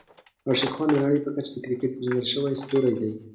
راشدخان د نړۍ په کچه د کريکيټ پېژندل شوی ستوری دی.